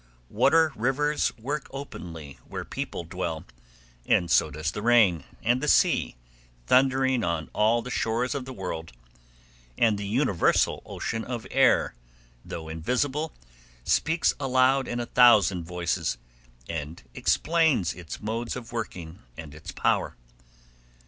Water rivers work openly where people dwell, and so does the rain, and the sea, thundering on all the shores of the world; and the universal ocean of air, though invisible, speaks aloud in a thousand voices, and explains its modes of working and its power.